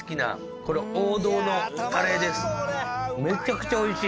めちゃくちゃおいしい。